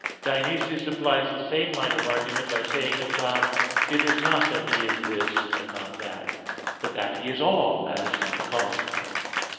Dionysius implies the same line of argument by saying of God (Div. Nom. v): "It is not that He is this and not that, but that He is all, as the cause of all."